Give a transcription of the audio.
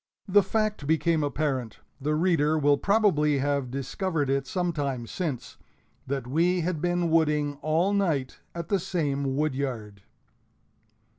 The fact became apparent the reader will probably have discovered it some time since that we had been wooding all night at the same woodyard!